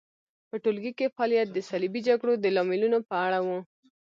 په ټولګي کې فعالیت د صلیبي جګړو د لاملونو په اړه و.